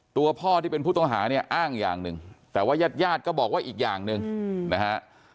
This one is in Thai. ตัวพ่อที่เป็นผู้ต้องหาเนี่ยอ้างอย่างหนึ่งแต่ว่ายาดก็บอกว่าอีกอย่างหนึ่งนะฮะ